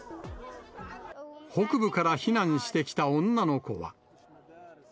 北部から避難してきた女の子は。